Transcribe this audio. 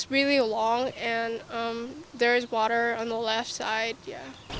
karena ini sangat panjang dan ada air di sisi kiri